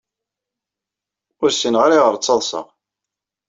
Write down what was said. Ur ssineɣ ara ayɣer ttaḍseɣ.